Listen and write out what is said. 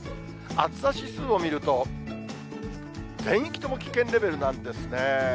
暑さ指数を見ると、全域とも危険レベルなんですね。